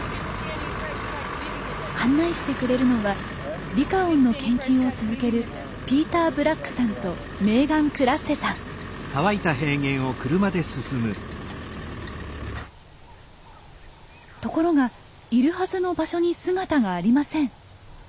案内してくれるのはリカオンの研究を続けるところがいるはずの場所に姿がありません。